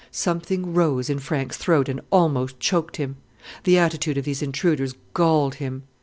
Something rose in Frank's throat and almost choked him. The attitude of these intruders galled him.